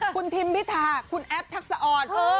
คุณทิมพิธาคุณแอฟทักษะอ่อน